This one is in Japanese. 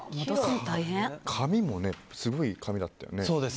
髪もすごい髪だったよね。